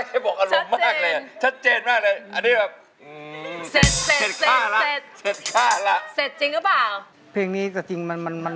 ให้บอกอารมณ์มากเลยนะชัดเจนมากเลยอันนี้แบบเสร็จข้าวละเสร็จจริงหรือเปล่า